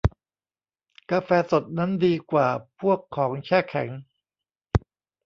กาแฟสดนั้นดีกว่าพวกของแช่แข็ง